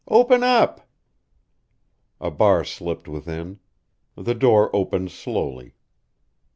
"Open up!" A bar slipped within. The door opened slowly.